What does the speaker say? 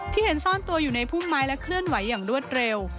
เห็นซ่อนตัวอยู่ในพุ่มไม้และเคลื่อนไหวอย่างรวดเร็ว